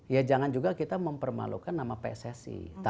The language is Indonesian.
ya jangan juga kita mempermalukan nama pssi